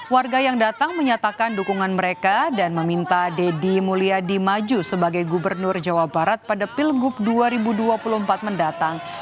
warga yang datang menyatakan dukungan mereka dan meminta deddy mulyadi maju sebagai gubernur jawa barat pada pilgub dua ribu dua puluh empat mendatang